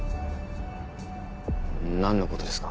何のことですか？